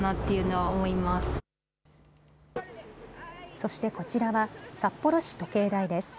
そしてこちらは札幌市時計台です。